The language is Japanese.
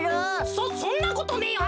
そそんなことねえよ。